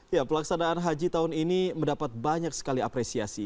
ya pelaksanaan haji tahun ini mendapat banyak sekali apresiasi